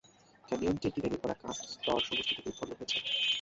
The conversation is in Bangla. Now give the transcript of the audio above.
ক্যানিয়নটি একটি ভেঙ্গে পড়া কার্স্ট স্তরসমষ্টি থেকে উৎপন্ন হয়েছে।